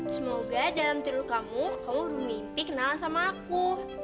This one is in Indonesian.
semoga dalam tidur kamu kamu udah mimpi kenalan sama aku